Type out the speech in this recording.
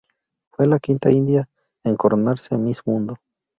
Fue la quinta india en coronarse Miss Mundo.